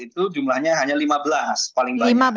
itu jumlahnya hanya lima belas paling banyak